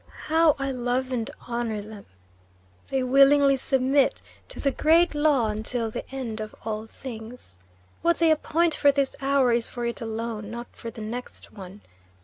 How I love and honour them! They willingly submit to the great law until the end of all things. What they appoint for this hour is for it alone, not for the next one.